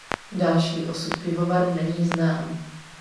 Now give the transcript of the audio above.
Další osud pivovaru není znám.